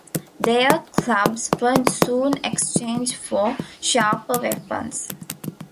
Their clubs were soon exchanged for sharper weapons.